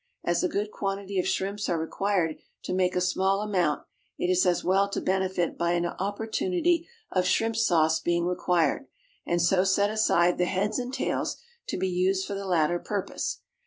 As a good quantity of shrimps are required to make a small amount, it is as well to benefit by an opportunity of shrimp sauce being required, and so set aside the heads and tails to be used for the latter purpose.